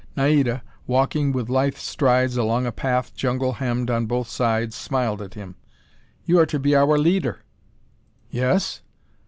Naida, walking with lithe strides along a path jungle hemmed on both sides, smiled at him. "You are to be our leader." "Yes?"